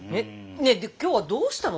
ねえで今日はどうしたの？